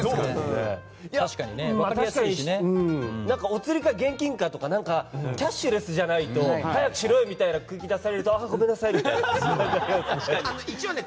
お釣りか現金かとかキャッシュレスじゃないと早くしろよみたいな空気出されるとごめんなさい！みたいなね。